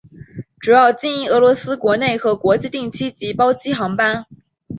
主要经营俄罗斯国内和国际定期及包机航班。